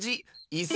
いす！